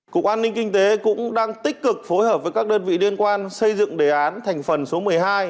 cục an ninh kinh tế cũng đang tích cực phối hợp với các đơn vị liên quan xây dựng đề án thành phần số một mươi hai